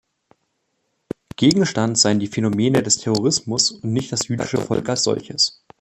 Gegenstand seien die Phänomene des Terrorismus und nicht das jüdische Volk als solches.